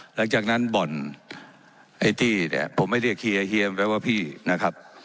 หลังจากนั้นบ่อนไอ้ตี้เนี่ยผมไม่เรียกเคลียร์เฮียมแล้วว่าพี่นะครับ